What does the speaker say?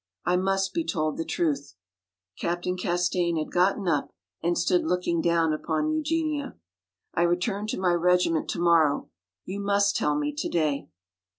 I must be told the truth." Captain Castaigne had gotten up and stood looking down upon Eugenia. "I return to my regiment tomorrow. You must tell me today."